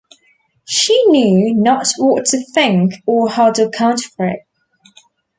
She knew not what to think, or how to account for it.